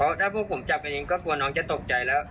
เพราะถ้าพวกผมจับกันเองก็กลัวน้องจะตกใจแล้ว